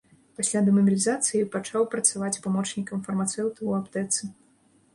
Пасля дэмабілізацыі пачаў працаваць памочнікам фармацэўта ў аптэцы.